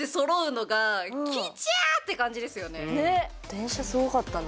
電車すごかったな。